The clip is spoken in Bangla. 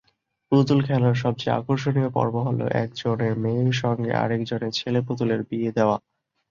পুতুল খেলার সবচেয়ে আকর্ষণীয় পর্ব হলো একজনের মেয়ের সঙ্গে আরেক জনের ছেলে পুতুলের বিয়ে দেওয়া।